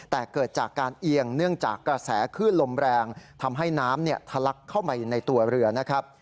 แต่เกิดจากการเอียงเนื่องจากกระแสคลื่นลมแรงทำให้น้ำทะลักเข้ามาในตัวเรือนะครับ